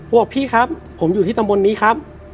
บอกพี่ครับผมอยู่ที่ตำบลนี้ครับ